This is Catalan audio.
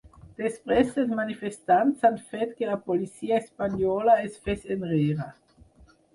Després, els manifestants han fet que la policia espanyola es fes enrere.